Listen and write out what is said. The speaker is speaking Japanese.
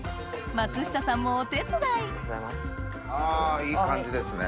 松下さんもお手伝いあいい感じですね。